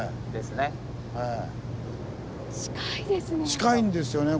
近いですね。